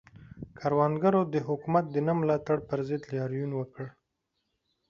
کروندګرو د حکومت د نه ملاتړ پر ضد لاریون وکړ.